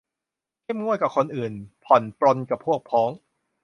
เข้มงวดกับคนอื่น ผ่อนปรนกับพวกพ้อง